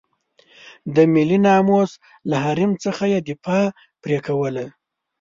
د ملي ناموس له حریم څخه یې دفاع پرې کوله.